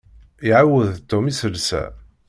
Iɛawed Tom iselsa.